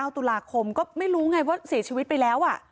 ตุลาคมก็ไม่รู้ไงว่าเสียชีวิตไปแล้ว